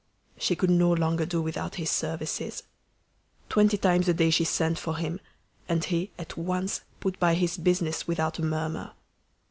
She could no longer do without his services. Twenty times a day she sent for him, and he at once put by his business without a murmur.